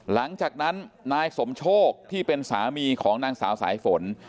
หลังจากนั้นนายสมโชคที่เป็นสามีของนางสาวสายฝน